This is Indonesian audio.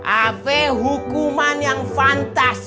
ahve hukuman yang fantas